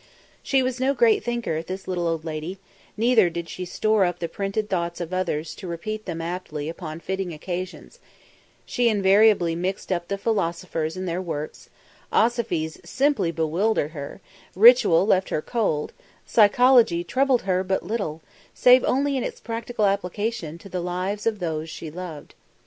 She was no great thinker, this little old lady, neither did she store up the printed thoughts of others to repeat them aptly upon fitting occasions; she invariably mixed up the philosophers and their works; 'osophies simply bewildered her; ritual left her cold, psychology troubled her but little, save only in its practical application to the lives of those she loved.